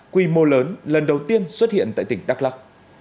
quy mô lớn lần đầu tiên xuất hiện tại tỉnh đắk lắc